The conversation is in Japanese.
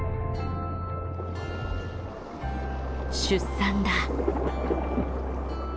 出産だ。